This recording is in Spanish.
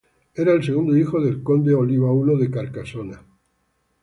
Era el segundo hijo del Conde Oliba I de Carcasona.